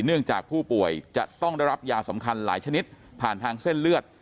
เนื่องจากผู้ป่วยจะต้องได้รับยาสำคัญหลายชนิดผ่านทางเส้นเลือด